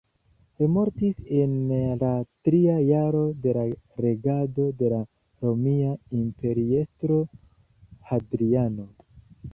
Li mortis en la tria jaro de la regado de la romia imperiestro Hadriano.